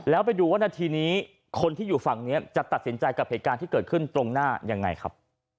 แล้วไปดูว่านาทีนี้คนที่อยู่ฝั่งนี้จะตัดสินใจกับเหตุการณ์ที่เกิดขึ้นตรงหน้ายังไงครับ